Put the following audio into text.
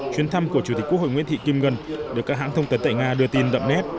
chuyến thăm của chủ tịch quốc hội nguyễn thị kim ngân được các hãng thông tấn tại nga đưa tin đậm nét